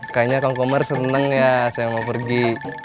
kayaknya kangkomar seneng ya saya mau pergi